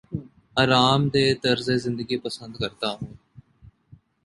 آرام دہ طرز زندگی پسند کرتا ہوں